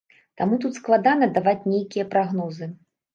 Таму тут складана даваць нейкія прагнозы.